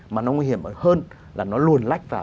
mà nó nguy hiểm hơn là nó luồn lách vào